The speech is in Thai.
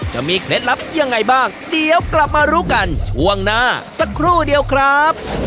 เคล็ดลับยังไงบ้างเดี๋ยวกลับมารู้กันช่วงหน้าสักครู่เดียวครับ